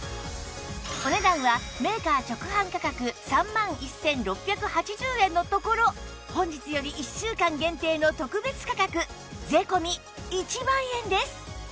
お値段はメーカー直販価格３万１６８０円のところ本日より１週間限定の特別価格税込１万円です